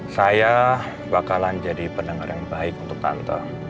saya bakalan jadi pendengar yang baik untuk tante